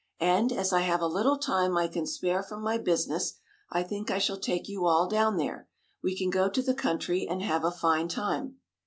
And, as I have a little time I can spare from my business, I think I shall take you all down there. We can go to the country and have a fine time."